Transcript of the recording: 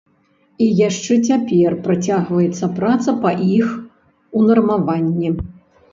І яшчэ цяпер працягваецца праца па іх унармаванні.